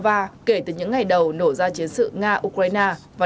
và nga kể từ những ngày đầu nổ ra chiến sự nga ukraine